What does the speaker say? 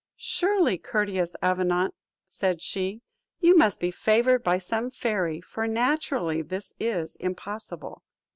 "Surely, courteous Avenant," said she, "you must be favoured by some fairy; for naturally this is impossible."